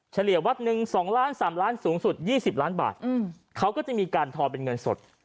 เฉียวัดหนึ่ง๒ล้าน๓ล้านสูงสุด๒๐ล้านบาทเขาก็จะมีการทอเป็นเงินสด